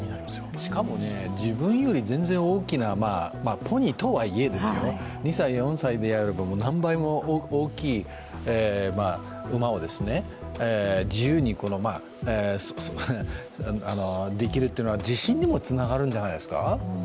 しかも自分より全然大きな、ポニーとはいえ２歳、４歳であれば、何倍も大きい馬を自由にできるというのは自信にもつながるんじゃないですか。